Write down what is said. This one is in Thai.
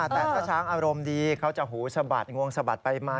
แต่ถ้าช้างอารมณ์ดีเขาจะหูสะบัดงวงสะบัดไปมา